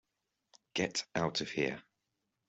Get out of here.